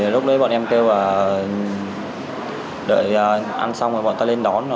lúc đấy bọn em kêu bà đợi ăn xong rồi bọn ta lên đón